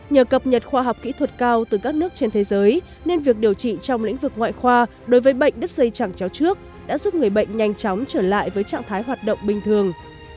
nhờ cập nhật khoa học kỹ thuật cao từ các nước trên thế giới nên việc điều trị trong lĩnh vực ngoại khoa đối với bệnh đứt dây chẳng chéo trước đã giúp người bệnh nhanh chóng trở lại với trạng thái hoạt động bình thường